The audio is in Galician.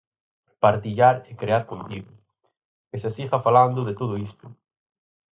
Partillar e crear contido, que se siga falando de todo isto.